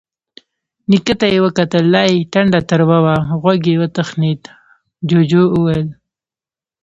نيکه ته يې وکتل، لا يې ټنډه تروه وه. غوږ يې وتخڼېد، جُوجُو وويل: